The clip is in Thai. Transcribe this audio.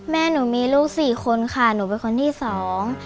แม่หนูมีลูกสี่คนค่ะหนูเป็นคนที่สอง